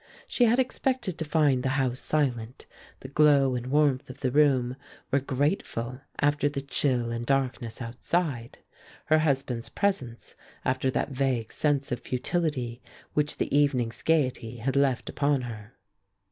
She had expected to find the house silent; the glow and warmth of the room were grateful after the chill and darkness outside, her husband's presence after that vague sense of futility which the evening's gayety had left upon her.